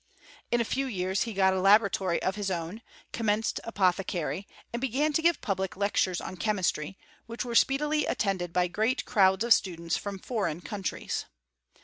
In a few years he got a laboratory of his own/ commenced apothecary, and began to give public lec tures on chemistry, which were speedily attended bjr great crowds of students from foreign countries.